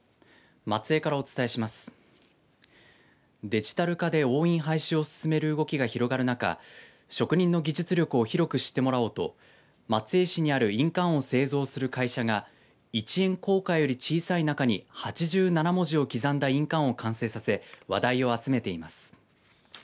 デジタル化で押印廃止を進める動きが広がる中職人の技術力を広く知ってもらおうと松江市にある印鑑を製造する会社が１円硬貨より小さい中に８７文字を刻んだ印鑑を完成させ、話題を集めています。